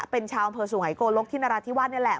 เป็นชาวอำเภอสุหายโกลกที่นราธิวาสนี่แหละ